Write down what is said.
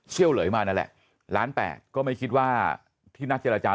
เชี่ยวเหลยมานั่นแหละ๑ล้าน๘ก็ไม่คิดว่าที่นักเจรจารย์